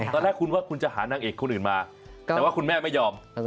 ตอนแรกคุณว่าคุณจะหานางเอกคนอื่นมาแต่ว่าคุณแม่ไม่ยอม